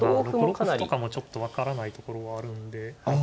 ６六歩とかもちょっと分からないところはあるんで。